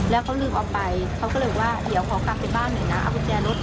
แล้วเขาลืมเอาไปเขาก็เลยบอกว่าเดี๋ยวขอกลับไปบ้านหน่อยนะเอากุญแจรถ